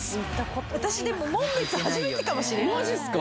私でも紋別初めてかもしれないマジっすか！